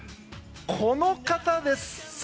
この方です！